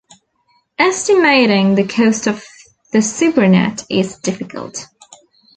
Estimating the cost of the SuperNet is difficult.